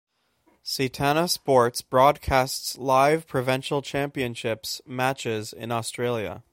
Setanta Sports broadcasts live Provincial championships matches in Australia.